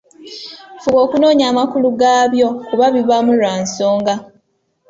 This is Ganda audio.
Fuba okunoonya amakulu gaabyo kuba bibaamu lwa nsonga.